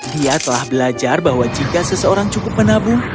dia telah belajar bahwa jika seseorang cukup menabung